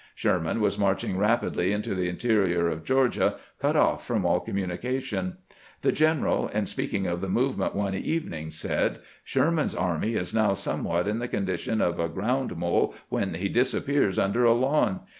Sherman was marching rapidly into the interior of Georgia, cut off from aU communication. The geheral, in speaking of the movement one evening, said :" Sherman's army is now somewhat in the condition of a ground mole when he disappears under a lawn.